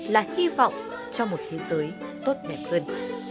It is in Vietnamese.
là hy vọng cho một thế giới tốt đẹp hơn